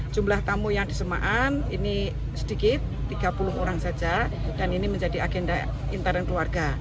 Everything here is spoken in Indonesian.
jumlah tamu yang di semaan ini sedikit tiga puluh orang saja dan ini menjadi agenda intern keluarga